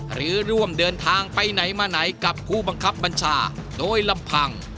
หรือร่วมเดินทางไปไหนมาไหนกับผู้บังคับบัญชาโดยลำพัง